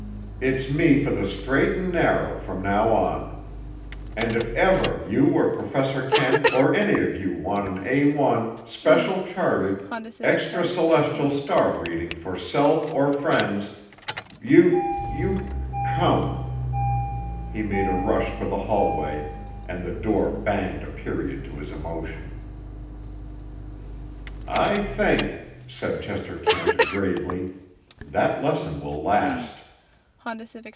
It's me for the straight and narrow from now on. And if ever you or Professor Kent or any of you want an A 1, special charted, extra celestial star reading for self or friends, you—you—you c c c come—" He made a rush for the hallway, and the door banged a period to his emotion. "I think," said Chester Kent gravely, "that lesson will last."